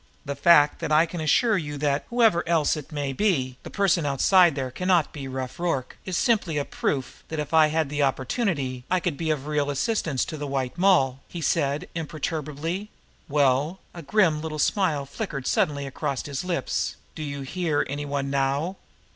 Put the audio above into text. "The fact that I can assure you that, whoever else it may be, the person outside there cannot be Rough Rorke, is simply a proof that, if I had the opportunity, I could be of real assistance to the White Moll," he said imperturbably. "Well" a grim little smile flickered suddenly across his lips "do you hear any one now?"